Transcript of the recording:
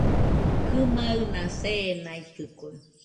Kɨmaɨna seenaitɨkue